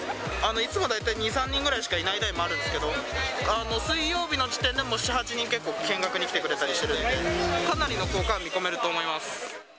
いつも大体２、３人ぐらいしかいない代もあるんですけど、水曜日の時点でもう７、８人、見学に来てくれたりするので、かなりの効果は見込めると思います。